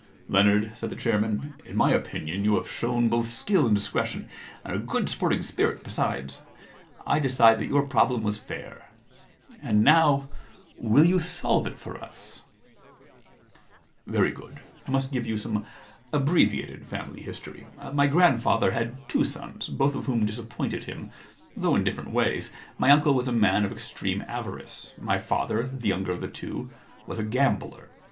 * Leonard,' said the chairman, * in my opinion you have shown both skill and dis cretion, and a good sporting spirit besides. I decide that your problem was fair. And now will you solve it for us ?'* Very good. I must give you some abbre viated family history. My grandfather had two sons, both of whom disappointed him, though in different ways. My uncle was a man of extreme avarice ; my father, the younger of the two, was a gambler.